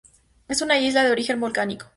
Es una isla de origen volcánico.